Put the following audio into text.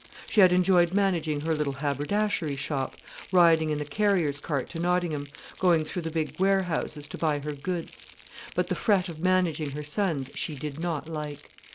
She had enjoyed managing her little haberdashery shop, riding in the carrier's cart to Nottingham, going through the big warehouses to buy her goods. But the fret of managing her sons she did not like.